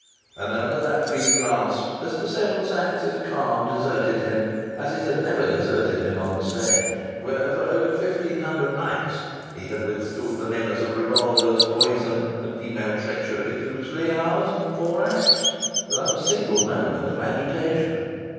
And under that brief glance Mr. Seven Sachs's calm deserted him as it had never deserted him on the stage, where for over fifteen hundred nights he had withstood the menace of revolvers, poison, and female treachery through three hours and four acts without a single moment of agitation.